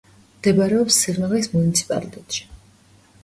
მდებარეობს სიღნაღის მუნიციპალიტეტში.